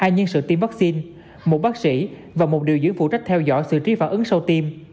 hai nhân sự tiêm vaccine một bác sĩ và một điều dưỡng phụ trách theo dõi sự trí phản ứng sau tiêm